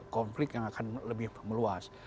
konflik yang akan lebih meluas